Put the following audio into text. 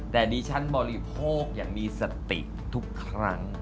แต่ดิฉันบริโภคอย่างมีสติทุกครั้ง